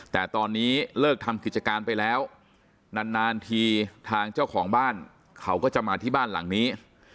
แต่ตอนนี้เลิกทำกิจการไปแล้วนานทีทางเจ้าของบ้านเขาก็จะมาที่บ้านหลังนี้